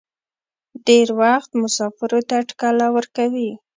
ډېر وخت مسافرو ته ټکله ورکوي.